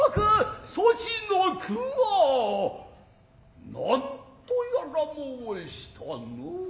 そちの句は何とやら申したのう。